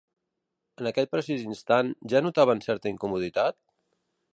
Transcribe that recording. En aquell precís instant, ja notaven certa incomoditat?